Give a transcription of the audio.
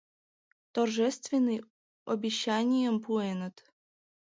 торжественный обещанийым пуэныт.